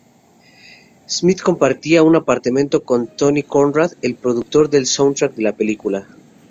Smith compartía un apartamento con Tony Conrad, el productor del soundtrack de la película.